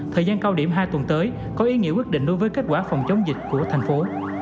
thời gian cao điểm hai tuần tới có ý nghĩa quyết định đối với kết quả phòng chống dịch của thành phố